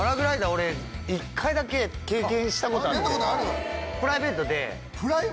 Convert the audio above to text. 俺１回だけ経験したことあって。